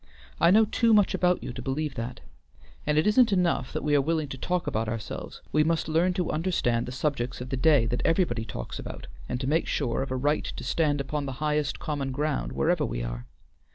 I know too much about you to believe that. And it isn't enough that we are willing to talk about ourselves. We must learn to understand the subjects of the day that everybody talks about, and to make sure of a right to stand upon the highest common ground wherever we are.